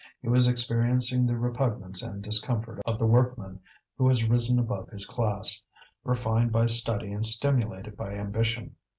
He was experiencing the repugnance and discomfort of the workman who has risen above his class, refined by study and stimulated by ambition.